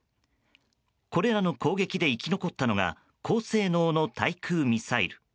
これらの攻撃で生き残ったのが高性能の対空ミサイル。